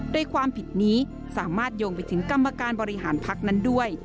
โดยความผิดนี้สามารถโยงไปถึงกรรมการบริหารพักนั้นด้วย